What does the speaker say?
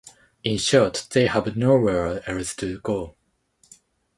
In short, they have nowhere else to go.